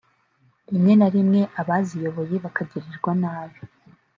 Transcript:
rimwe na rimwe abaziyoboye bakagirirwa nabi